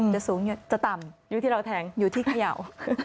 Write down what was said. สูงจะต่ำอยู่ที่เราแทงอยู่ที่เขย่า